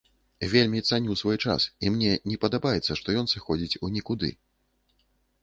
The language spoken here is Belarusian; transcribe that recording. Вельмі цаню свой час, і мне не падабаецца, што ён сыходзіць у нікуды.